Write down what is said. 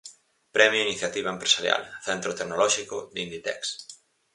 Premio Iniciativa Empresarial: Centro Tecnolóxico de Inditex.